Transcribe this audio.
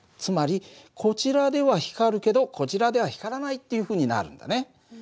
つまりこちらでは光るけどこちらでは光らないっていうふうになるんだね。